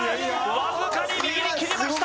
わずかに右に切れました